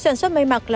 sản xuất mây mặc lào